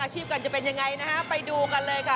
ชีพกันจะเป็นยังไงนะฮะไปดูกันเลยค่ะ